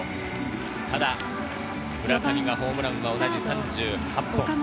ただ村上がホームランは同じ３８本。